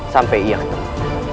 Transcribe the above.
sampai ia ketemu